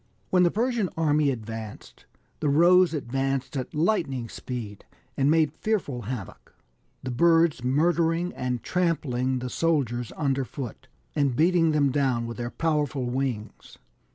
When the Persian army advanced, the Rohs advanced at lightning speed, and made fearful havoc, the birds murdering and trampling the soldiers under foot, and beating them down with their powerful wings.